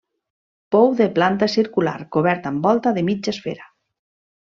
Pou de planta circular cobert amb volta de mitja esfera.